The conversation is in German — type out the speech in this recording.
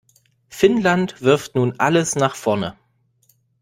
Finnland wirft nun alles nach vorne.